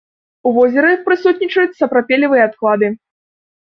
У возеры прысутнічаюць сапрапелевыя адклады.